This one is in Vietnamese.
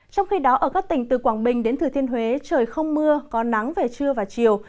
trong khi đó ở các tỉnh từ quảng bình đến thừa thiên huế trời không mưa có nắng về trưa và chiều